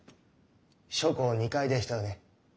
書庫２階でしたよね。